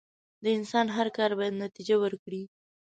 د انسان هر کار بايد نتیجه ورکړي.